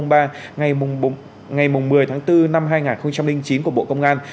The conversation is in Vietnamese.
ngày một mươi tháng bốn năm hai nghìn chín của bộ công an